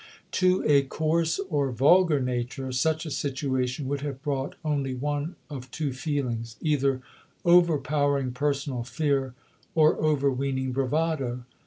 To a coarse or vulgar nature such a situation would have brought only one of two feelings — either overpowering personal fear, or overweening bravado.